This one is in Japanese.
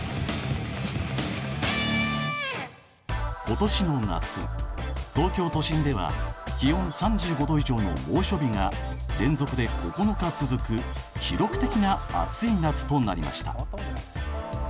今年の夏東京都心では気温３５℃以上の猛暑日が連続で９日続く記録的な暑い夏となりました。